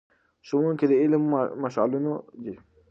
ښوونکي د علم مشعلونه دي.